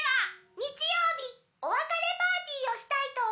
日曜日お別れパーティーをしたいと思います。